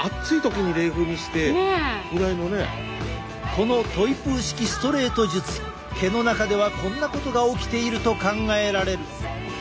このトイプー式ストレート術毛の中ではこんなことが起きていると考えられる。